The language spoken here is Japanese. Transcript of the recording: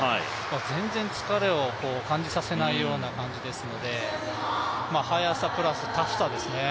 全然疲れを感じさせないような感じですので速さプラスタフさですね。